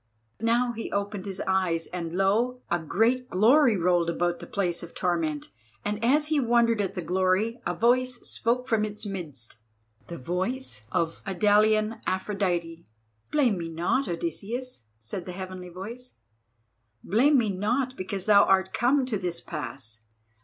Now he opened his eyes, and lo! a great glory rolled about the place of torment, and as he wondered at the glory, a voice spoke from its midst—the voice of the Idalian Aphrodite: "Blame me not, Odysseus," said the heavenly voice; "blame me not because thou art come to this pass.